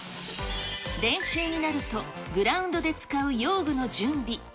練習になると、グラウンドで使う用具の準備。